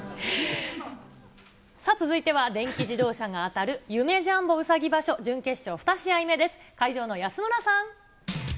続いては電気自動車が当たる、夢・ジャンボうさぎ場所、準決勝２試合目です。